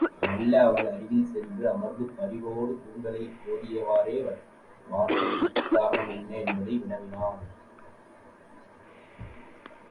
மெல்ல அவள் அருகில் சென்று அமர்ந்து, பரிவோடு கூந்தலைக் கோதியவாறே வாட்டத்திற்குக் காரணம் என்ன என்பதை வினவினான்.